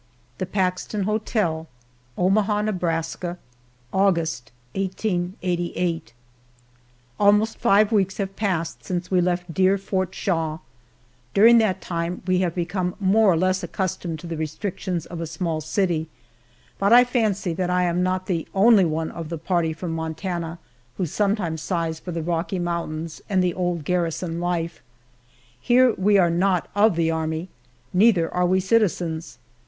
THE PAXTON HOTEL, OMAHA, NEBRASKA, August, 1888. ALMOST five weeks have passed since we left dear Fort Shaw! During that time we have become more or less accustomed to the restrictions of a small city, but I fancy that I am not the only one of the party from Montana who sometimes sighs for the Rocky Mountains and the old garrison life. Here we are not of the Army neither are we citizens.